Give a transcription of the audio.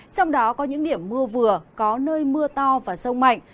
trong đó có những điểm mưa vừa có nơi mưa to và rông mạnh